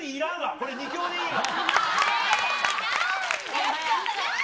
これ、２強でいいわ。